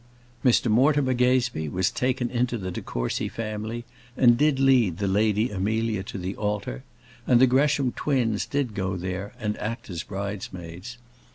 Mr Mortimer Gazebee was taken into the de Courcy family, and did lead the Lady Amelia to the altar; and the Gresham twins did go there and act as bridesmaids.